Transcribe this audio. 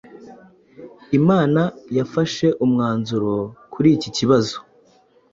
Inama yafashe umwanzuro kuri iki kibazo